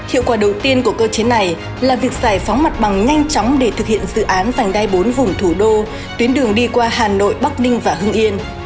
hiệu quả đầu tiên của cơ chế này là việc giải phóng mặt bằng nhanh chóng để thực hiện dự án vành đai bốn vùng thủ đô tuyến đường đi qua hà nội bắc ninh và hưng yên